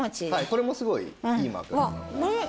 これもすごいいい枕なので。